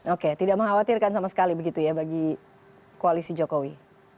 oke tidak mengkhawatirkan sama sekali begitu ya bagi koalisi jokowi